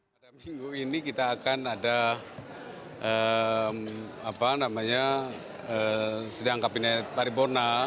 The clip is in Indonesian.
pada minggu ini kita akan ada sidang kabinet paripurna